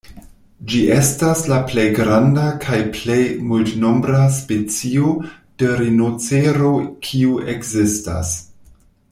Ĝi estas la plej granda kaj plej multnombra specio de rinocero kiu ekzistas.